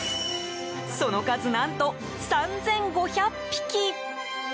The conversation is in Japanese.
その数、何と３５００匹。